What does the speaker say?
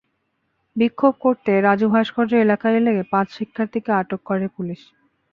বিক্ষোভ করতে রাজু ভাস্কর্য এলাকা এলে পাঁচ শিক্ষার্থীকে আটক করে পুলিশ।